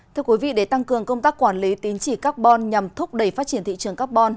thưa quý vị để tăng cường công tác quản lý tín chỉ carbon nhằm thúc đẩy phát triển thị trường carbon